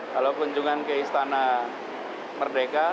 kalau kunjungan ke istana merdeka